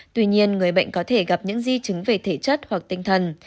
tuy nhiên người bệnh có thể gặp những di chứng về thể chất hoặc tinh thần